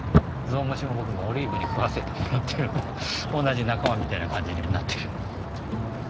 ゾウムシも僕もオリーブに食わせてもらってる同じ仲間みたいな感じにもなってる。